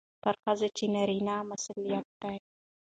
پر ښځو چې نارينه مسلط دي،